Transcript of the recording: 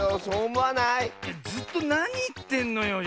ずっとなにいってんのよ。